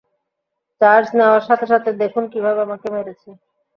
Charge নেওয়ার সাথে সাথে দেখুন কীভাবে আমাকে মেরেছে!